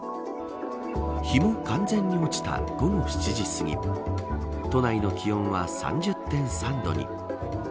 日も完全に落ちた午後７時すぎ都内の気温は３０．３度に。